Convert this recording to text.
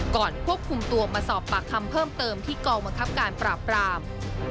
ควบคุมตัวมาสอบปากคำเพิ่มเติมที่กองบังคับการปราบราม